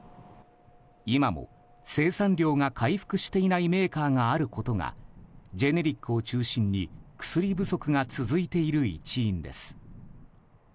今も生産量が回復していないメーカーがあることがジェネリックを中心に薬不足が続いている一因です。